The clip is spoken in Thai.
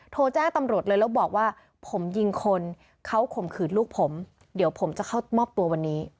โทรแจ้งตำรวจเลยแล้วบอกว่าผมยิงคนเขาข่มขืนลูกผมเดี๋ยวผมจะเข้ามอบตัววันนี้